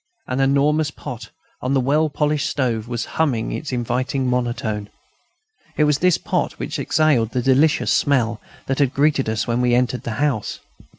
An enormous pot, on the well polished stove, was humming its inviting monotone. It was this pot which exhaled the delicious smell that had greeted us when we entered the house.